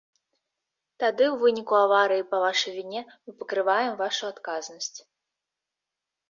Тады ў выніку аварыі па вашай віне мы пакрываем вашу адказнасць.